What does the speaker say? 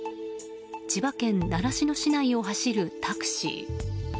千葉県習志野市内を走るタクシー。